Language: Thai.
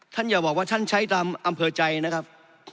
อย่าบอกว่าท่านใช้ตามอำเภอใจนะครับ